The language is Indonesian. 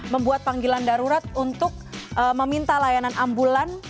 membuat panggilan darurat untuk meminta layanan ambulan